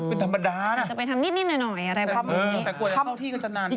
อาจจะไปทำนิดหน่อยอะไรพร้อมนี้